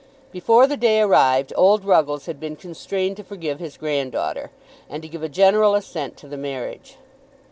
Before the day arrived, old Ruggles had been constrained to forgive his granddaughter, and to give a general assent to the marriage.